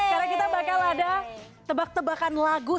karena kita bakal ada tebak tebakan lagu sama gisal